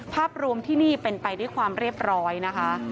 ภาพรวมที่นี่เป็นไปด้วยความเรียบร้อยนะคะ